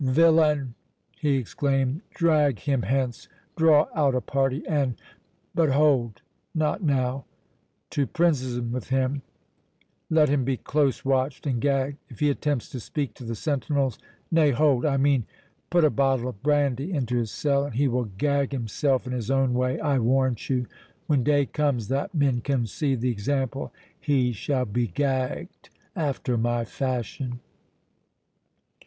—"Villain!" he exclaimed; "drag him hence, draw out a party, and—But hold, not now—to prison with him—let him be close watched, and gagged, if he attempts to speak to the sentinels—Nay, hold—I mean, put a bottle of brandy into his cell, and he will gag himself in his own way, I warrant you—When day comes, that men can see the example, he shall be gagged after my fashion."